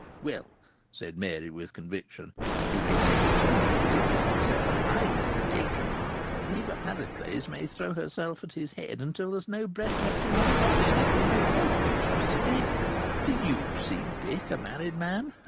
"Well," said Mary, with conviction, "you may take it from me that it isn't so. I know Dick. Eva Harracles may throw herself at his head till there's no breath left in her body, and it'll make no difference to Dick. Do you see Dick a married man?